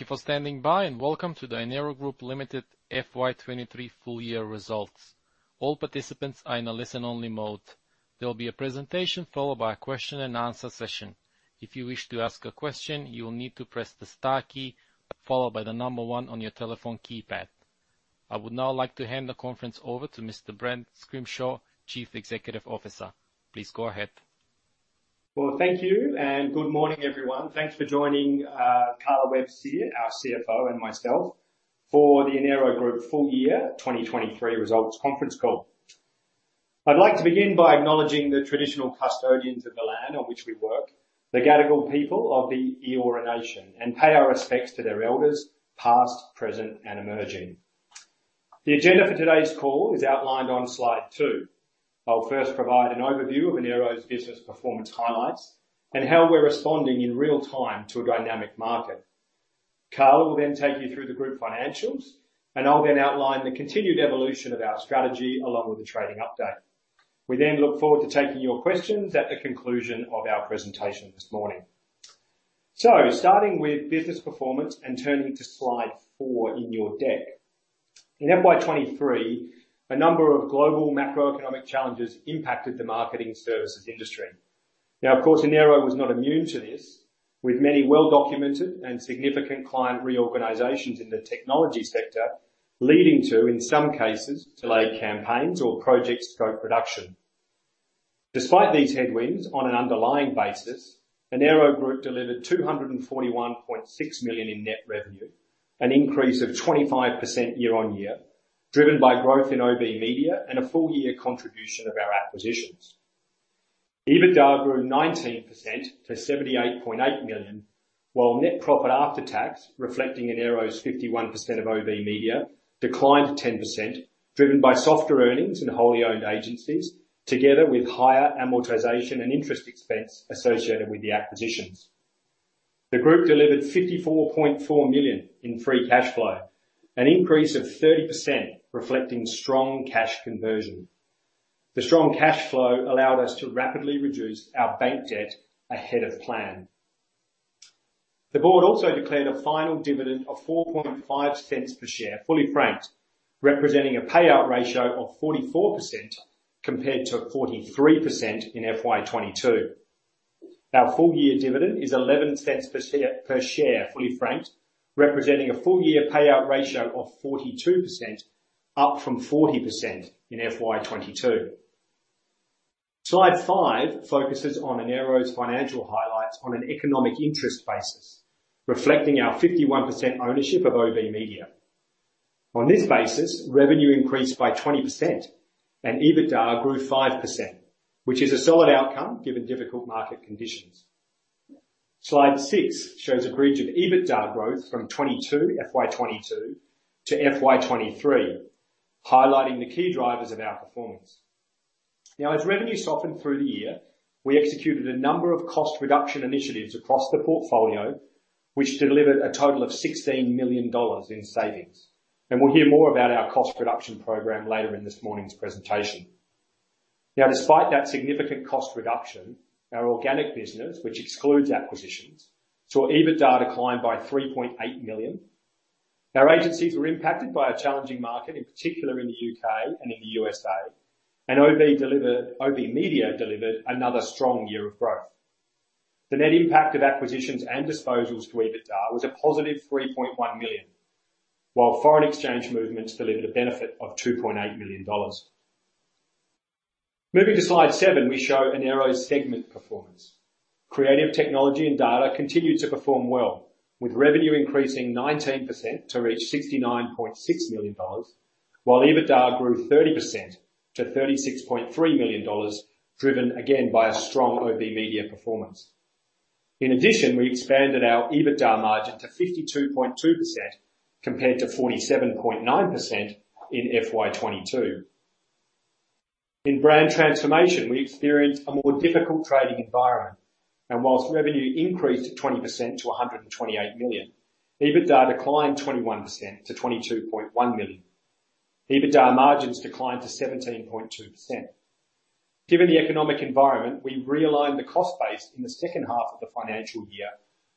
Thank you for standing by, and welcome to the Enero Group Limited FY23 full year results. All participants are in a listen-only mode. There will be a presentation followed by a question and answer session. If you wish to ask a question, you will need to press the star key, followed by the number 1 on your telephone keypad. I would now like to hand the conference over to Mr. Brent Scrimshaw, Chief Executive Officer. Please go ahead. Well, thank you, and good morning, everyone. Thanks for joining, Carla Webb-Sear, CEO, our CFO, and myself for the Enero Group full year 2023 results conference call. I'd like to begin by acknowledging the traditional custodians of the land on which we work, the Gadigal people of the Eora Nation, and pay our respects to their elders, past, present, and emerging. The agenda for today's call is outlined on slide two. I'll first provide an overview of Enero's business performance highlights and how we're responding in real time to a dynamic market. Carla will then take you through the group financials. I'll then outline the continued evolution of our strategy along with the trading update. We then look forward to taking your questions at the conclusion of our presentation this morning. Starting with business performance and turning to slide four in your deck. In FY23, a number of global macroeconomic challenges impacted the marketing services industry. Of course, Enero Group was not immune to this, with many well-documented and significant client reorganizations in the technology sector, leading to, in some cases, delayed campaigns or project scope reduction. Despite these headwinds, on an underlying basis, Enero Group delivered 241.6 million in net revenue, an increase of 25% year-on-year, driven by growth in OBMedia and a full year contribution of our acquisitions. EBITDA grew 19% to 78.8 million, while net profit after tax, reflecting Enero's 51% of OBMedia, declined 10%, driven by softer earnings and wholly owned agencies, together with higher amortization and interest expense associated with the acquisitions. The group delivered 54.4 million in free cashflow, an increase of 30%, reflecting strong cash conversion. The strong cashflow allowed us to rapidly reduce our bank debt ahead of plan. The board also declared a final dividend of 0.045 per share, fully franked, representing a payout ratio of 44% compared to 43% in FY22. Our full year dividend is 0.11 per share, per share, fully franked, representing a full year payout ratio of 42%, up from 40% in FY22. Slide five focuses on Enero Group's financial highlights on an economic interest basis, reflecting our 51% ownership of OBMedia. On this basis, revenue increased by 20% and EBITDA grew 5%, which is a solid outcome, given difficult market conditions. Slide six shows a bridge of EBITDA growth from FY22 to FY23, highlighting the key drivers of our performance. Now, as revenue softened through the year, we executed a number of cost reduction initiatives across the portfolio, which delivered a total of 16 million dollars in savings. We'll hear more about our cost reduction program later in this morning's presentation. Now, despite that significant cost reduction, our organic business, which excludes acquisitions, saw EBITDA decline by 3.8 million. Our agencies were impacted by a challenging market, in particular in the U.K. and in the U.S.A., and OBMedia delivered another strong year of growth. The net impact of acquisitions and disposals to EBITDA was a positive 3.1 million, while foreign exchange movements delivered a benefit of 2.8 million dollars. Moving to slide seven, we show Enero's segment performance. Creative technology and data continued to perform well, with revenue increasing 19% to reach 69.6 million dollars, while EBITDA grew 30% to 36.3 million dollars, driven again by a strong OBMedia performance. In addition, we expanded our EBITDA margin to 52.2%, compared to 47.9% in FY22. In brand transformation, we experienced a more difficult trading environment, and whilst revenue increased 20% to 128 million, EBITDA declined 21% to 22.1 million. EBITDA margins declined to 17.2%. Given the economic environment, we realigned the cost base in the second half of the financial year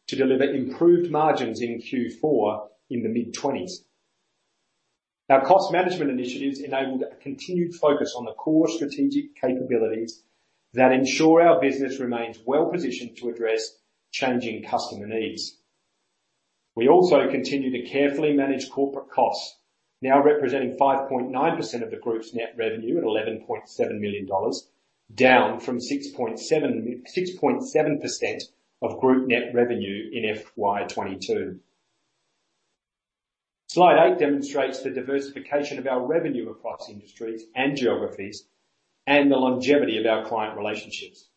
to deliver improved margins in Q4 in the mid-20s. Our cost management initiatives enabled a continued focus on the core strategic capabilities that ensure our business remains well positioned to address changing customer needs. We also continued to carefully manage corporate costs, now representing 5.9% of the group's net revenue at AUD 11.7 million, down from 6.7% of group net revenue in FY22. Slide eight demonstrates the diversification of our revenue across industries and geographies and the longevity of our client relationships.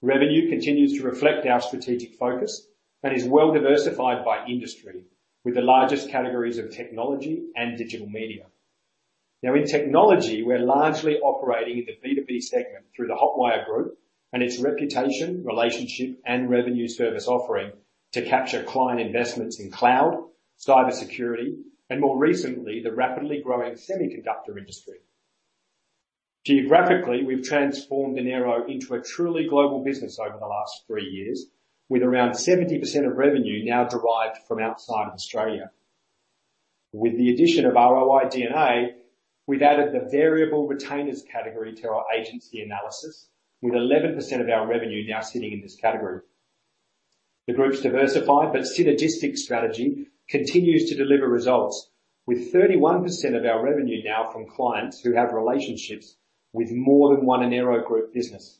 Revenue continues to reflect our strategic focus and is well diversified by industry, with the largest categories of technology and digital media. In technology, we're largely operating in the B2B segment through the Hotwire Group and its reputation, relationship, and revenue service offering to capture client investments in cloud, cybersecurity, and more recently, the rapidly growing semiconductor industry. Geographically, we've transformed Enero Group into a truly global business over the last three years, with around 70% of revenue now derived from outside of Australia. With the addition of ROI DNA, we've added the variable retainers category to our agency analysis, with 11% of our revenue now sitting in this category. The group's diversified, but synergistic strategy continues to deliver results, with 31% of our revenue now from clients who have relationships with more than one Enero Group business.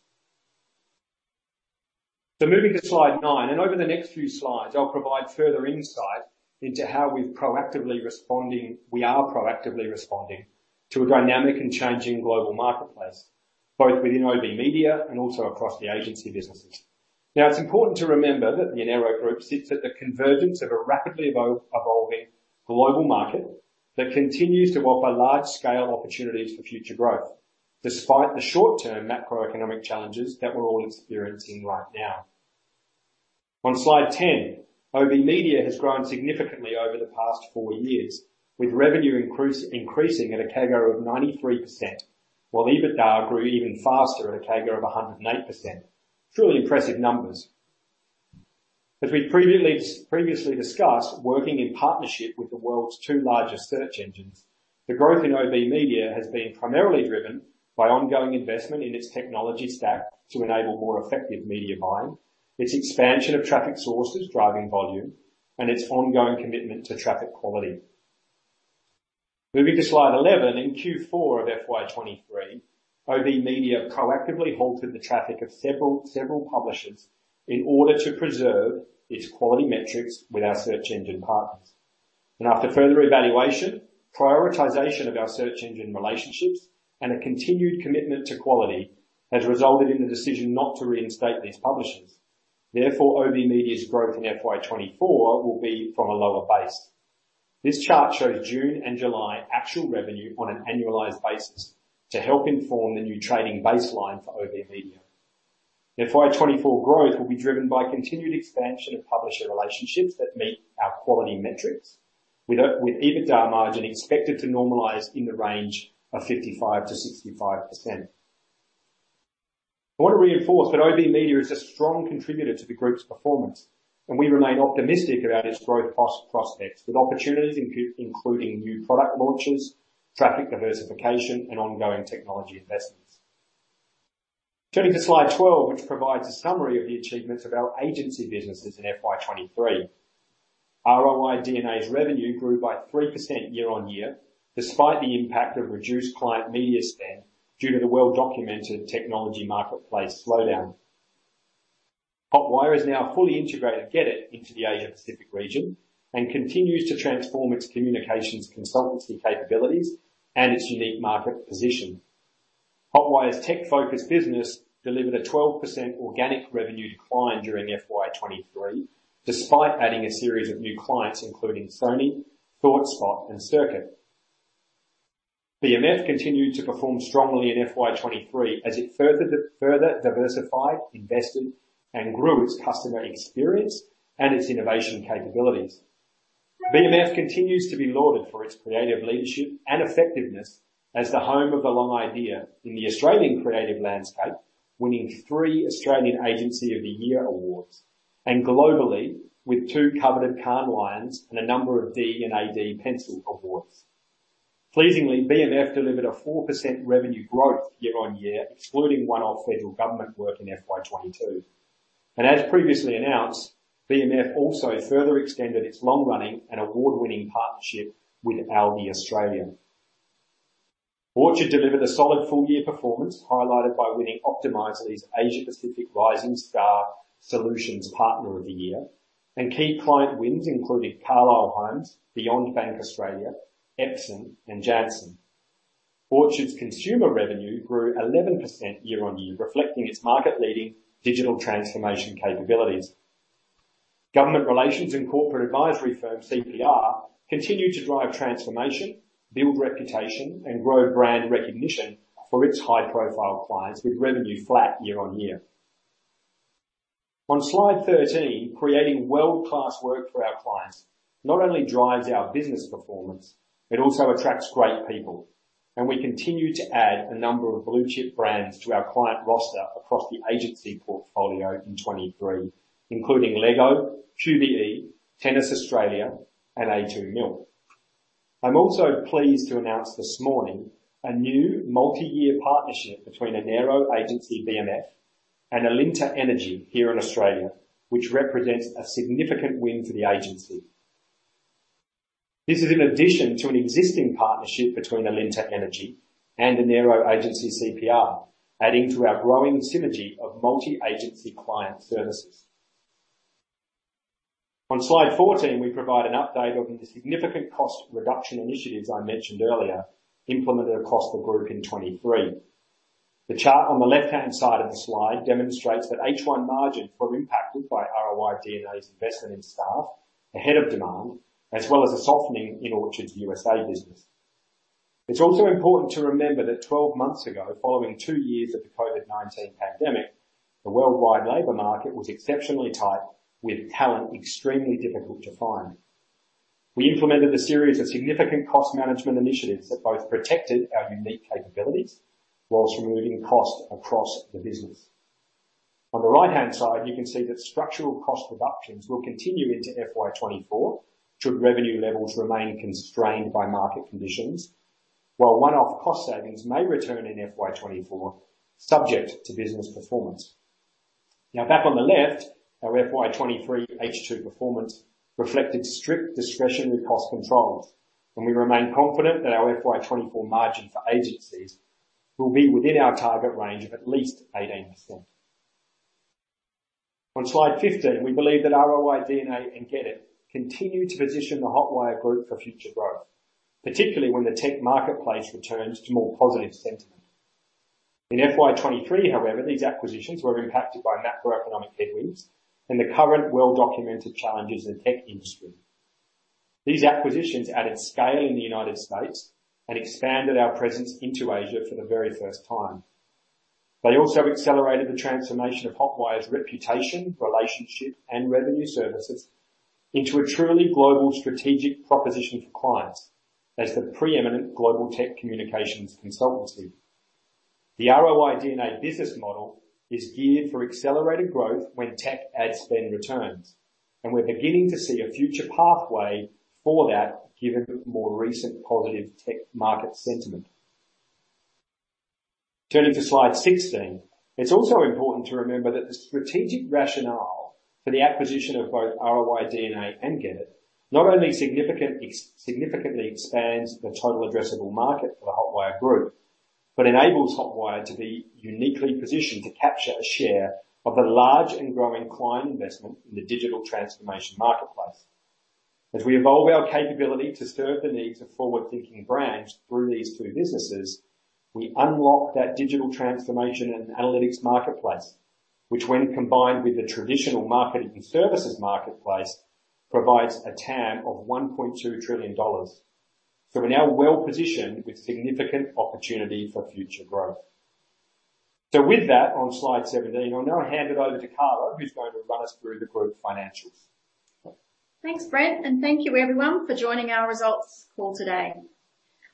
Moving to slide nine, and over the next few slides, I'll provide further insight into how we are proactively responding to a dynamic and changing global marketplace, both within OBMedia and also across the agency businesses. It's important to remember that the Enero Group sits at the convergence of a rapidly evolving global market that continues to offer large-scale opportunities for future growth, despite the short-term macroeconomic challenges that we're all experiencing right now. On slide 10, OBMedia has grown significantly over the past four years, with revenue increasing at a CAGR of 93%, while EBITDA grew even faster at a CAGR of 108%. Truly impressive numbers. As we previously discussed, working in partnership with the world's two largest search engines, the growth in OBMedia has been primarily driven by ongoing investment in its technology stack to enable more effective media buying, its expansion of traffic sources driving volume, and its ongoing commitment to traffic quality. Moving to slide 11, in Q4 of FY23, OBMedia proactively halted the traffic of several publishers in order to preserve its quality metrics with our search engine partners. After further evaluation, prioritization of our search engine relationships and a continued commitment to quality has resulted in the decision not to reinstate these publishers. OBMedia's growth in FY24 will be from a lower base. This chart shows June and July actual revenue on an annualized basis to help inform the new trading baseline for OBMedia. In FY24, growth will be driven by continued expansion of publisher relationships that meet our quality metrics, with EBITDA margin expected to normalize in the range of 55%-65%. I want to reinforce that OBMedia is a strong contributor to the group's performance, and we remain optimistic about its growth prospects, with opportunities including new product launches, traffic diversification, and ongoing technology investments. Turning to slide 12, which provides a summary of the achievements of our agency businesses in FY23. ROI DNA's revenue grew by 3% year-over-year, despite the impact of reduced client media spend due to the well-documented technology marketplace slowdown. Hotwire has now fully integrated GetIT into the Asia Pacific region and continues to transform its communications consultancy capabilities and its unique market position. Hotwire's tech-focused business delivered a 12% organic revenue decline during FY23, despite adding a series of new clients, including Sony, ThoughtSpot, and Cricut. BMF continued to perform strongly in FY23 as it further diversified, invested, and grew its customer experience and its innovation capabilities. BMF continues to be lauded for its creative leadership and effectiveness as the home of the long idea in the Australian creative landscape, winning three Australian Agency of the Year awards, and globally, with two coveted Cannes Lions and a number of D&AD Pencil awards. Pleasingly, BMF delivered a 4% revenue growth year-on-year, excluding one-off federal government work in FY22. As previously announced, BMF also further extended its long-running and award-winning partnership with Aldi Australia. Orchard delivered a solid full-year performance, highlighted by winning Optimizely's Asia Pacific Rising Star Solutions Partner of the Year, and key client wins including Carlisle Homes, Beyond Bank Australia, Epson, and Janssen. Orchard's consumer revenue grew 11% year-on-year, reflecting its market-leading digital transformation capabilities. Government relations and corporate advisory firm, CPR, continued to drive transformation, build reputation, and grow brand recognition for its high-profile clients, with revenue flat year-on-year. On slide 13, creating world-class work for our clients not only drives our business performance, it also attracts great people, and we continue to add a number of blue-chip brands to our client roster across the agency portfolio in 2023, including Lego, QBE, Tennis Australia, and a2 Milk. I'm also pleased to announce this morning a new multi-year partnership between Enero agency, BMF, and Alinta Energy here in Australia, which represents a significant win for the agency. This is in addition to an existing partnership between Alinta Energy and Enero agency, CPR, adding to our growing synergy of multi-agency client services. On slide 14, we provide an update on the significant cost reduction initiatives I mentioned earlier, implemented across the group in 2023. The chart on the left-hand side of the slide demonstrates that H1 margins were impacted by ROI DNA's investment in staff ahead of demand, as well as a softening in Orchard's USA business. It's also important to remember that 12 months ago, following two years of the COVID-19 pandemic, the worldwide labor market was exceptionally tight, with talent extremely difficult to find. We implemented a series of significant cost management initiatives that both protected our unique capabilities whilst removing costs across the business. On the right-hand side, you can see that structural cost reductions will continue into FY24, should revenue levels remain constrained by market conditions, while one-off cost savings may return in FY24, subject to business performance. Now, back on the left, our FY23 H2 performance reflected strict discretionary cost controls, and we remain confident that our FY24 margin for agencies will be within our target range of at least 18%. On slide 15, we believe that ROI DNA and GetIT continue to position the Hotwire Group for future growth, particularly when the tech marketplace returns to more positive sentiment. In FY23, however, these acquisitions were impacted by macroeconomic headwinds and the current well-documented challenges in the tech industry. These acquisitions added scale in the United States and expanded our presence into Asia for the very first time. They also accelerated the transformation of Hotwire's reputation, relationship, and revenue services into a truly global strategic proposition for clients as the preeminent global tech communications consultancy. The ROI DNA business model is geared for accelerated growth when tech ad spend returns, and we're beginning to see a future pathway for that, given the more recent positive tech market sentiment. Turning to slide 16. It's also important to remember that the strategic rationale for the acquisition of both ROI DNA and GetIT not only significant, significantly expands the total addressable market for the Hotwire Group, but enables Hotwire to be uniquely positioned to capture a share of the large and growing client investment in the digital transformation marketplace. As we evolve our capability to serve the needs of forward-thinking brands through these two businesses, we unlock that digital transformation and analytics marketplace, which, when combined with the traditional marketing services marketplace, provides a TAM of $1.2 trillion. We're now well positioned with significant opportunity for future growth. With that, on slide 17, I'll now hand it over to Carla, who's going to run us through the group financials. Thanks, Brent. Thank you everyone for joining our results call today.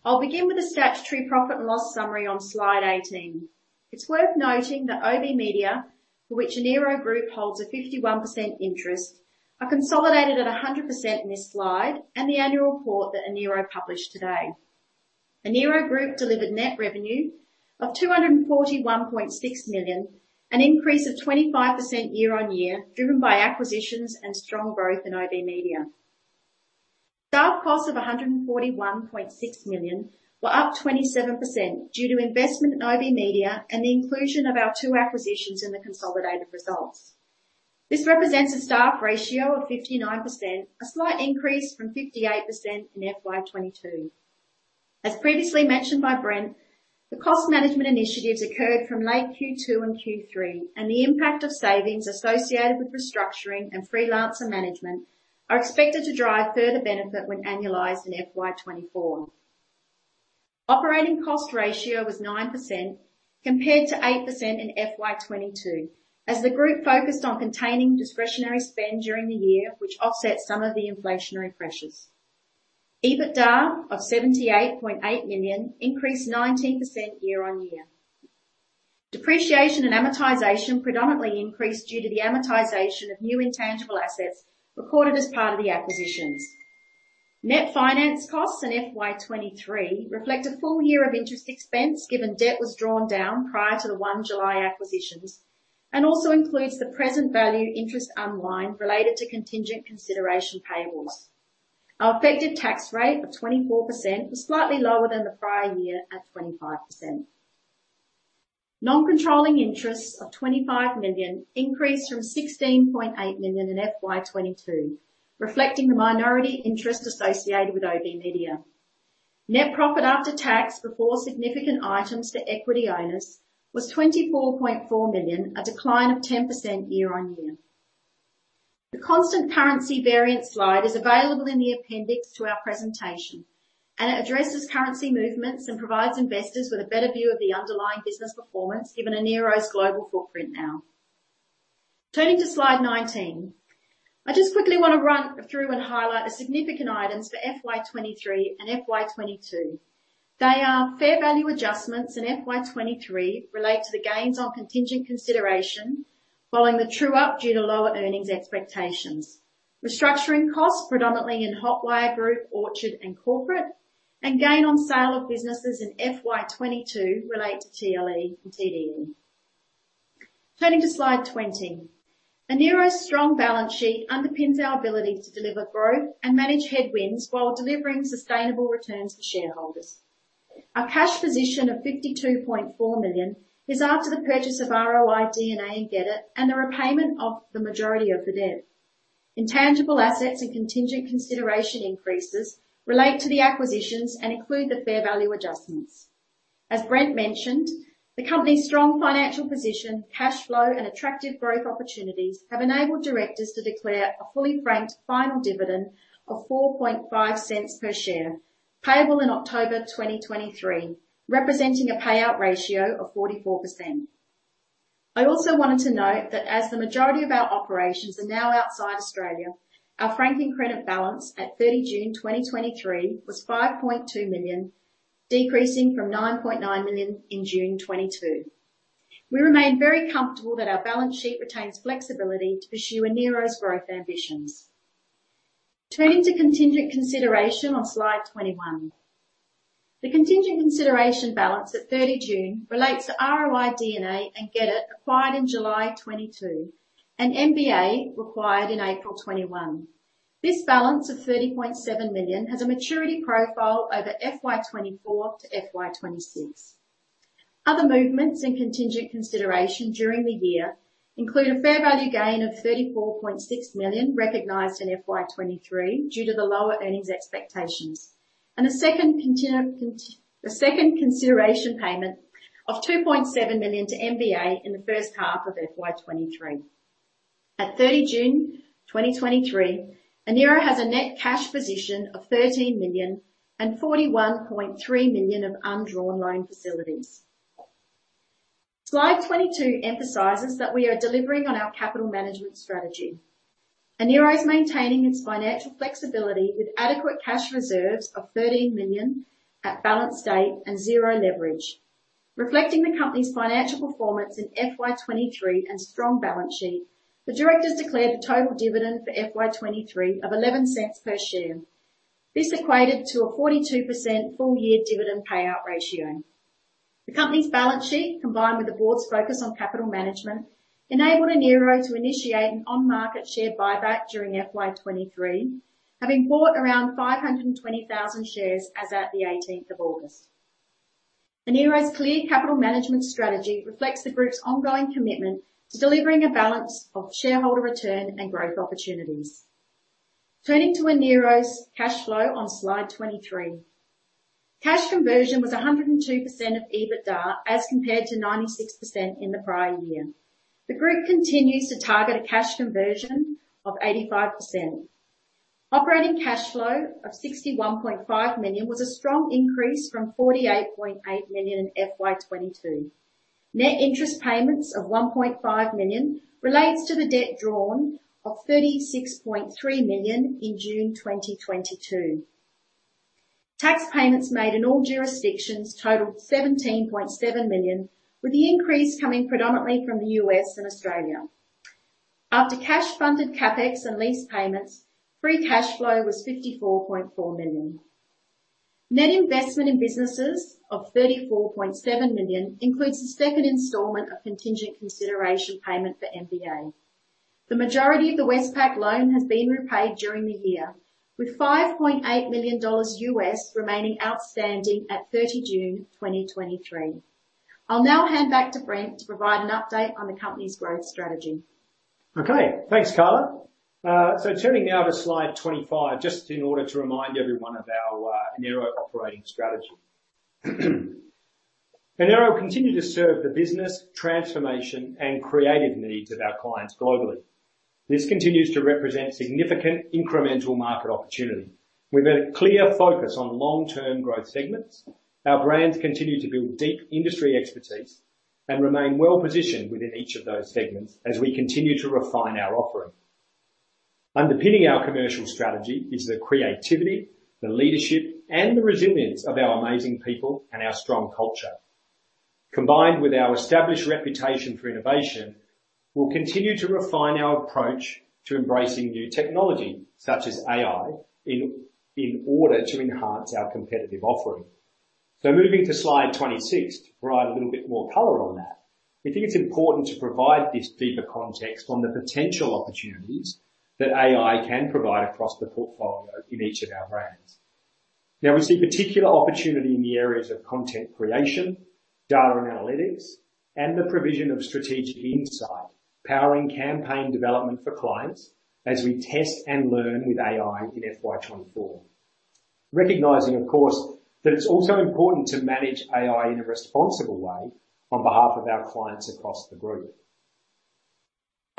I'll begin with the statutory profit and loss summary on slide 18. It's worth noting that OBMedia, for which Enero Group holds a 51% interest, are consolidated at 100% in this slide and the annual report that Enero Group published today. Enero Group delivered net revenue of 241.6 million, an increase of 25% year-on-year, driven by acquisitions and strong growth in OBMedia. Staff costs of 141.6 million were up 27% due to investment in OBMedia and the inclusion of our 2 acquisitions in the consolidated results. This represents a staff ratio of 59%, a slight increase from 58% in FY22. As previously mentioned by Brent, the cost management initiatives occurred from late Q2 and Q3. The impact of savings associated with restructuring and freelancer management are expected to drive further benefit when annualized in FY24. Operating cost ratio was 9%, compared to 8% in FY22, as the group focused on containing discretionary spend during the year, which offset some of the inflationary pressures. EBITDA of 78.8 million increased 19% year-over-year. Depreciation and amortization predominantly increased due to the amortization of new intangible assets recorded as part of the acquisitions. Net finance costs in FY23 reflect a full year of interest expense, given debt was drawn down prior to the 1 July acquisitions, and also includes the present value interest unwind related to contingent consideration payables. Our effective tax rate of 24% was slightly lower than the prior year at 25%. Non-controlling interests of 25 million increased from 16.8 million in FY22, reflecting the minority interest associated with OBMedia. Net profit after tax before significant items to equity owners was 24.4 million, a decline of 10% year on year. The constant currency variance slide is available in the appendix to our presentation, and it addresses currency movements and provides investors with a better view of the underlying business performance, given Enero's global footprint now. Turning to slide 19. I just quickly want to run through and highlight the significant items for FY23 and FY22. They are fair value adjustments in FY23 relate to the gains on contingent consideration following the true-up due to lower earnings expectations. Restructuring costs predominantly in Hotwire Group, Orchard, and Corporate, gain on sale of businesses in FY22 relate to TLE and TDE. Turning to slide 20. Enero Group's strong balance sheet underpins our ability to deliver growth and manage headwinds while delivering sustainable returns to shareholders. Our cash position of 52.4 million is after the purchase of ROI DNA and GetIT, the repayment of the majority of the debt. Intangible assets and contingent consideration increases relate to the acquisitions and include the fair value adjustments. As Brent mentioned, the company's strong financial position, cash flow, and attractive growth opportunities have enabled directors to declare a fully franked final dividend of 0.045 per share, payable in October 2023, representing a payout ratio of 44%. I also wanted to note that as the majority of our operations are now outside Australia, our franking credit balance at 30 June 2023 was 5.2 million, decreasing from 9.9 million in June 2022. We remain very comfortable that our balance sheet retains flexibility to pursue Enero's growth ambitions. Turning to contingent consideration on slide 21. The contingent consideration balance at 30 June relates to ROI DNA and GetIT, acquired in July 2022, and MBA acquired in April 2021. This balance of 30.7 million has a maturity profile over FY24 to FY26. Other movements in contingent consideration during the year include a fair value gain of 34.6 million, recognized in FY23, due to the lower earnings expectations, and a second consideration payment of 2.7 million to MBA in H1 FY23. At June 30, 2023, Enero has a net cash position of 13 million and 41.3 million of undrawn loan facilities. Slide 22 emphasizes that we are delivering on our capital management strategy. Enero is maintaining its financial flexibility with adequate cash reserves of 13 million at balance date and zero leverage. Reflecting the company's financial performance in FY23 and strong balance sheet, the directors declared a total dividend for FY23 of 0.11 per share. This equated to a 42% full year dividend payout ratio. The company's balance sheet, combined with the board's focus on capital management, enabled Enero Group to initiate an on-market share buyback during FY23, having bought around 520,000 shares as at the 18th of August. Enero Group's clear capital management strategy reflects the group's ongoing commitment to delivering a balance of shareholder return and growth opportunities. Turning to Enero Group's cash flow on slide 23. Cash conversion was 102% of EBITDA, as compared to 96% in the prior year. The group continues to target a cash conversion of 85%. Operating cash flow of 61.5 million was a strong increase from 48.8 million in FY22. Net interest payments of 1.5 million relates to the debt drawn of 36.3 million in June 2022. Tax payments made in all jurisdictions totaled 17.7 million, with the increase coming predominantly from the U.S. and Australia. After cash-funded CapEx and lease payments, free cash flow was 54.4 million. Net investment in businesses of 34.7 million includes the second installment of contingent consideration payment for MBA. The majority of the Westpac loan has been repaid during the year, with $5.8 million remaining outstanding at 30 June 2023. I'll now hand back to Brent to provide an update on the company's growth strategy. Okay, thanks, Carla. Turning now to slide 25, just in order to remind everyone of our Enero Group operating strategy. Enero Group continue to serve the business, transformation, and creative needs of our clients globally. This continues to represent significant incremental market opportunity. With a clear focus on long-term growth segments, our brands continue to build deep industry expertise and remain well-positioned within each of those segments as we continue to refine our offering. Underpinning our commercial strategy is the creativity, the leadership, and the resilience of our amazing people and our strong culture. Combined with our established reputation for innovation, we'll continue to refine our approach to embracing new technology, such as AI, in order to enhance our competitive offering. Moving to slide 26, to provide a little bit more color on that, we think it's important to provide this deeper context on the potential opportunities that AI can provide across the portfolio in each of our brands. We see particular opportunity in the areas of content creation, data and analytics, and the provision of strategic insight, powering campaign development for clients as we test and learn with AI in FY24. Recognizing, of course, that it's also important to manage AI in a responsible way on behalf of our clients across the group.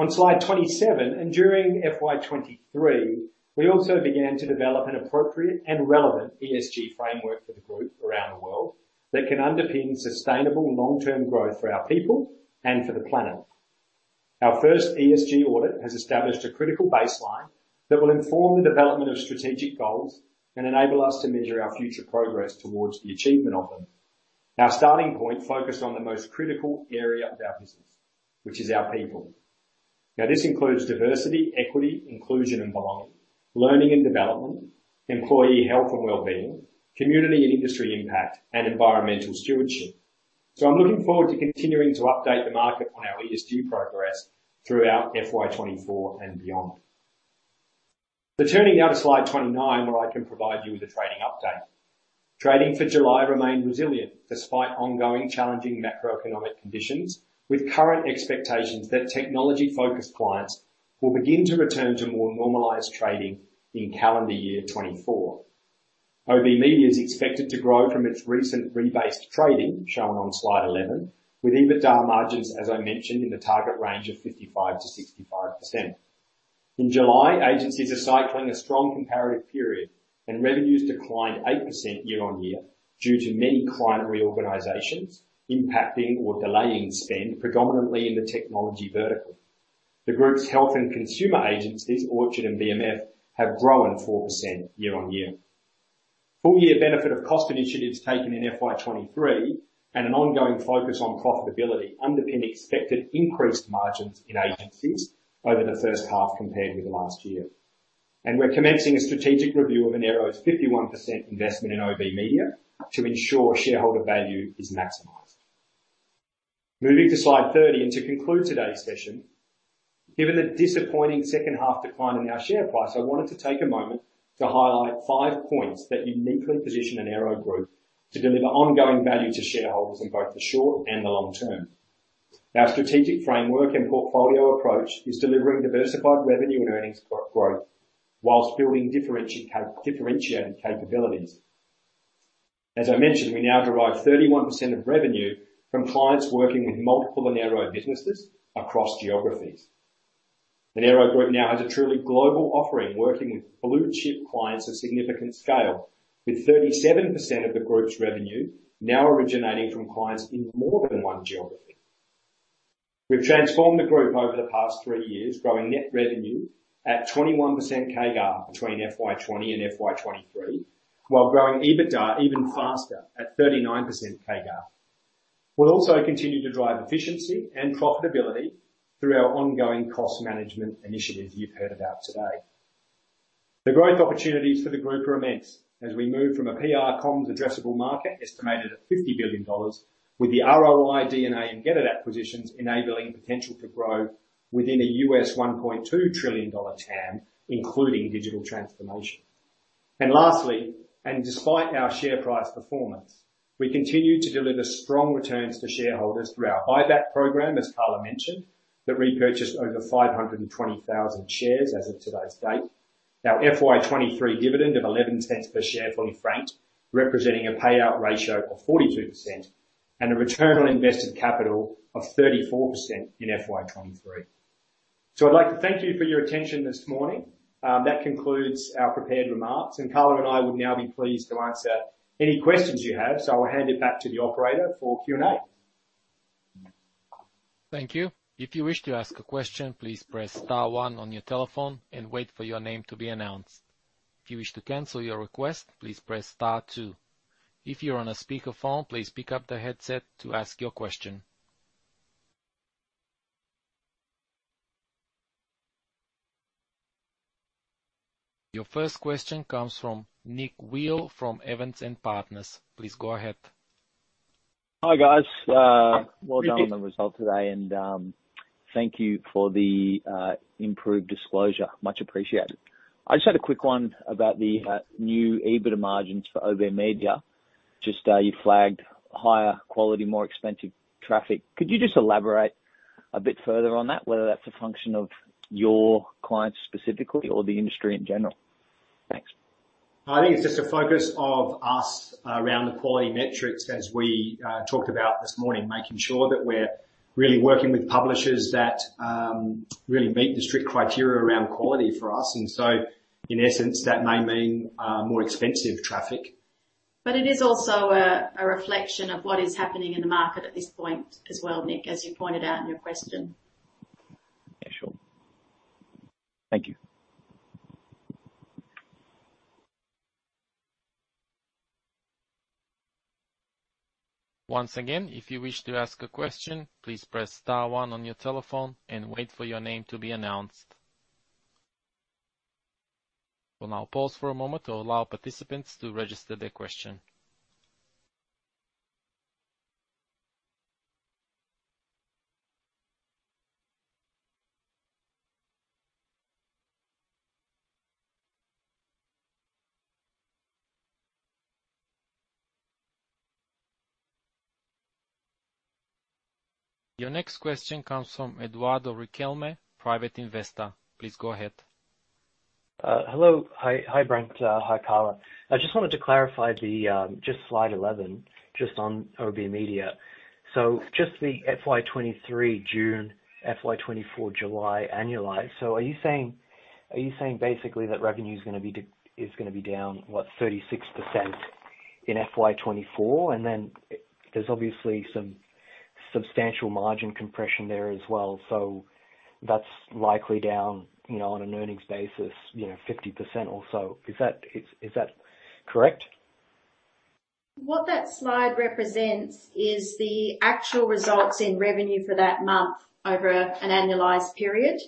On slide 27, and during FY23, we also began to develop an appropriate and relevant ESG framework for the group around the world that can underpin sustainable long-term growth for our people and for the planet. Our first ESG audit has established a critical baseline that will inform the development of strategic goals and enable us to measure our future progress towards the achievement of them. Our starting point focused on the most critical area of our business, which is our people. This includes diversity, equity, inclusion, and belonging, learning and development, employee health and wellbeing, community and industry impact, and environmental stewardship. I'm looking forward to continuing to update the market on our ESG progress throughout FY24 and beyond. Turning now to slide 29, where I can provide you with a trading update. Trading for July remained resilient, despite ongoing challenging macroeconomic conditions, with current expectations that technology-focused clients will begin to return to more normalized trading in calendar year 2024. OBMedia is expected to grow from its recent rebased trading, shown on slide 11, with EBITDA margins, as I mentioned, in the target range of 55%-65%. In July, agencies are cycling a strong comparative period. Revenues declined 8% year-on-year due to many client reorganizations impacting or delaying spend, predominantly in the technology vertical. The group's health and consumer agencies, Orchard and BMF, have grown 4% year-on-year. Full year benefit of cost initiatives taken in FY23, an ongoing focus on profitability underpin expected increased margins in agencies over the first half compared with last year. We're commencing a strategic review of Enero's 51% investment in OBMedia to ensure shareholder value is maximized. Moving to slide 30, to conclude today's session, given the disappointing second half decline in our share price, I wanted to take a moment to highlight 5 points that uniquely position Enero Group to deliver ongoing value to shareholders in both the short and the long term. Our strategic framework and portfolio approach is delivering diversified revenue and earnings growth, whilst building differentiated, differentiated capabilities. As I mentioned, we now derive 31% of revenue from clients working with multiple Enero businesses across geographies. The Enero Group now has a truly global offering, working with blue-chip clients at significant scale, with 37% of the group's revenue now originating from clients in more than one geography. We've transformed the group over the past three years, growing net revenue at 21% CAGR between FY20 and FY23, while growing EBITDA even faster at 39% CAGR. We'll also continue to drive efficiency and profitability through our ongoing cost management initiative you've heard about today. The growth opportunities for the group are immense as we move from a PR comms addressable market, estimated at $50 billion, with the ROI DNA and GetIT acquisitions enabling potential to grow within a $1.2 trillion TAM, including digital transformation. Lastly, and despite our share price performance, we continue to deliver strong returns to shareholders through our buyback program, as Carla mentioned, that repurchased over 520,000 shares as of today's date. Our FY23 dividend of 0.11 per share, fully franked, representing a payout ratio of 42%, and a return on invested capital of 34% in FY23. I'd like to thank you for your attention this morning. That concludes our prepared remarks, and Carla and I would now be pleased to answer any questions you have. I'll hand it back to the operator for Q&A. Thank you. If you wish to ask a question, please press star one on your telephone and wait for your name to be announced. If you wish to cancel your request, please press star two. If you're on a speakerphone, please pick up the headset to ask your question. Your first question comes from Nick Wiles from Evans and Partners. Please go ahead. Hi, guys. Hi, Nick. Well done on the result today. Thank you for the improved disclosure. Much appreciated. I just had a quick one about the new EBITDA margins for OBMedia. Just, you flagged higher quality, more expensive traffic. Could you just elaborate a bit further on that, whether that's a function of your clients specifically or the industry in general? Thanks. I think it's just a focus of us around the quality metrics, as we talked about this morning, making sure that we're really working with publishers that really meet the strict criteria around quality for us. In essence, that may mean more expensive traffic. It is also a reflection of what is happening in the market at this point as well, Nick, as you pointed out in your question. Yeah, sure. Thank you. Once again, if you wish to ask a question, "please press star one" on your telephone and wait for your name to be announced. We'll now pause for a moment to allow participants to register their question. Your next question comes from Eduardo Riquelme, private investor. Please go ahead. Hello. Hi. Hi, Brent. Hi, Carla. I just wanted to clarify the just slide 11, just on OBMedia. Just the FY23, June, FY24, July annualize. Are you saying, are you saying basically that revenue is gonna be is gonna be down, what? 36% in FY24, and then there's obviously some substantial margin compression there as well. That's likely down, you know, on an earnings basis, you know, 50% or so. Is that, is, is that correct? What that slide represents is the actual results in revenue for that month over an annualized period.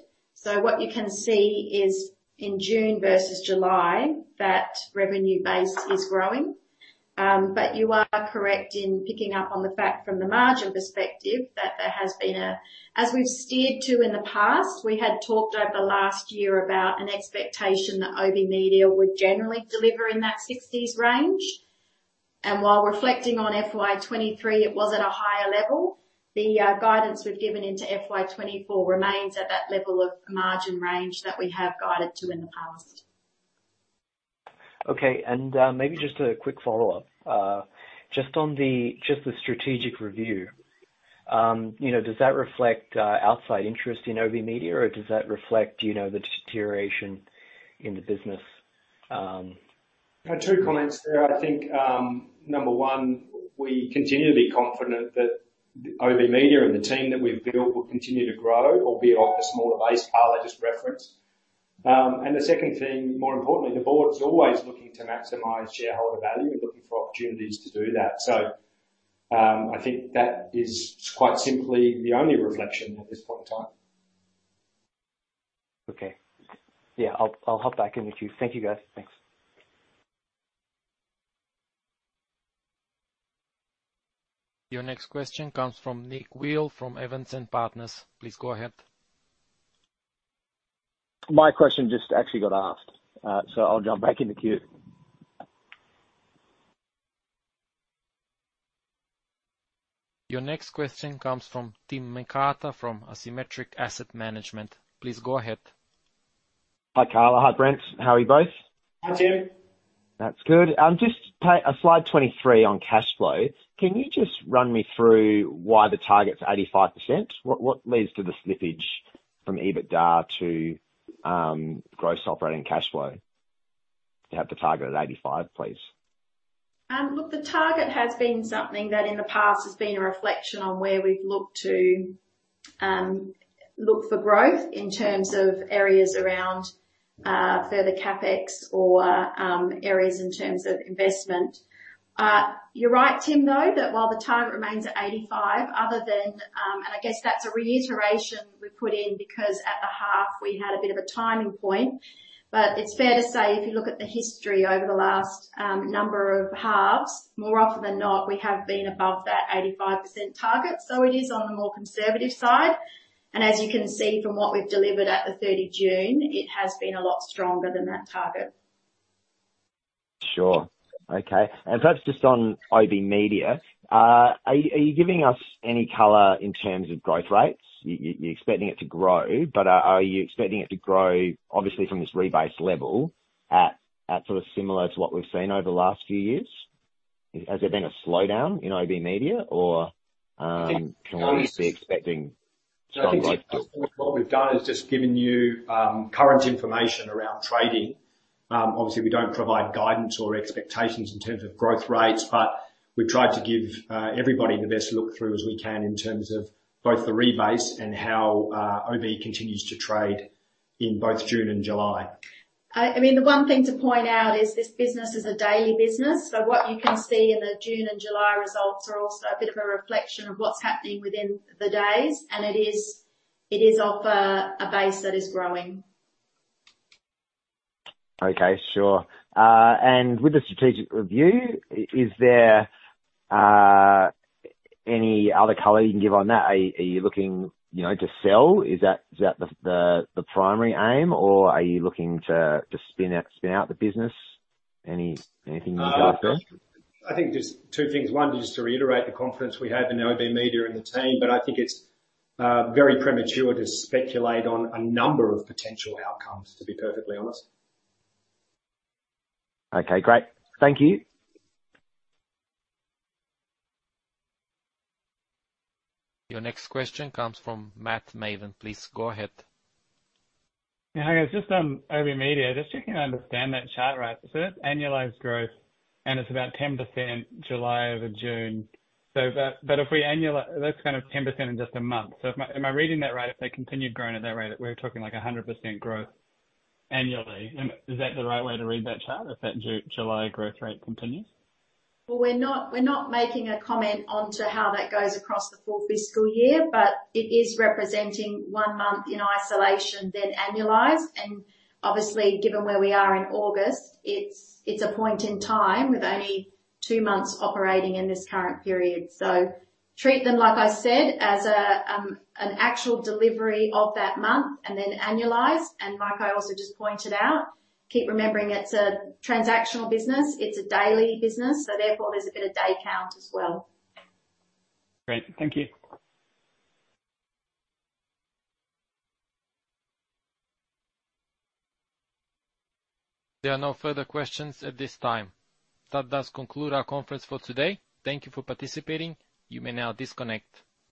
What you can see is, in June versus July, that revenue base is growing. You are correct in picking up on the fact from the margin perspective, that there has been a. As we've steered to in the past, we had talked over last year about an expectation that OBMedia would generally deliver in that sixties range, and while reflecting on FY23, it was at a higher level. The guidance we've given into FY24 remains at that level of margin range that we have guided to in the past. Okay. Maybe just a quick follow-up. Just the strategic review, you know, does that reflect outside interest in OBMedia, or does that reflect, you know, the deterioration in the business? I have two comments there. I think, number one, we continue to be confident that OBMedia and the team that we've built will continue to grow, albeit off a smaller base, Carla just referenced. The second thing, more importantly, the board's always looking to maximize shareholder value and looking for opportunities to do that. I think that is quite simply the only reflection at this point in time. Okay. Yeah, I'll, I'll hop back in the queue. Thank you, guys. Thanks. Your next question comes from Nick Wiles from Evans and Partners. Please go ahead. My question just actually got asked, so I'll jump back in the queue. Your next question comes from Tim McArthur from Asymmetric Asset Management. Please go ahead. Hi, Carla. Hi, Brent. How are you both? Hi, Tim. That's good. Just slide 23 on cash flow. Can you just run me through why the target's 85%? What, what leads to the slippage from EBITDA to gross operating cash flow to have the target at 85, please? Look, the target has been something that in the past has been a reflection on where we've looked to look for growth in terms of areas around further CapEx or areas in terms of investment. You're right, Tim, though, that while the target remains at 85, other than, and I guess that's a reiteration we put in, because at the half, we had a bit of a timing point. It's fair to say, if you look at the history over the last number of halves, more often than not, we have been above that 85% target, so it is on the more conservative side. As you can see from what we've delivered at the 30 June, it has been a lot stronger than that target. Sure. Okay. Perhaps just on OBMedia, are you, are you giving us any color in terms of growth rates? You're expecting it to grow, but are, are you expecting it to grow, obviously, from this rebase level at, at sort of similar to what we've seen over the last few years? Has there been a slowdown in OBMedia or can we be expecting strong growth? What we've done is just given you current information around trading. Obviously, we don't provide guidance or expectations in terms of growth rates, we've tried to give everybody the best look through as we can in terms of both the rebase and how OB continues to trade in both June and July. I mean, the one thing to point out is this business is a daily business. What you can see in the June and July results are also a bit of a reflection of what's happening within the days. It is off a base that is growing. Okay, sure. With the strategic review, is there any other color you can give on that? Are you, are you looking, you know, to sell? Is that, is that the, the, the primary aim, or are you looking to, to spin out, spin out the business? Anything you can say? I think there's two things. One, just to reiterate the confidence we have in OBMedia and the team, but I think it's very premature to speculate on a number of potential outcomes, to be perfectly honest. Okay, great. Thank you. Your next question comes from Matt Maven. Please go ahead. Yeah, hi, guys. Just on OBMedia, just checking to understand that chart right. That's annualized growth. It's about 10% July over June. That's kind of 10% in just a month. Am I reading that right? If they continued growing at that rate, we're talking like 100% growth annually. Is that the right way to read that chart, if that July growth rate continues? We're not, we're not making a comment onto how that goes across the full fiscal year, but it is representing one month in isolation, then annualized. Obviously, given where we are in August, it's, it's a point in time with only two months operating in this current period. So treat them, like I said, as an actual delivery of that month and then annualized. Like I also just pointed out, keep remembering it's a transactional business. It's a daily business, so therefore, there's a bit of day count as well. Great. Thank you. There are no further questions at this time. That does conclude our conference for today. Thank you for participating. You may now disconnect.